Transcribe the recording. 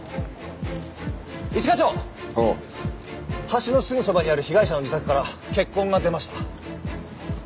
橋のすぐそばにある被害者の自宅から血痕が出ました。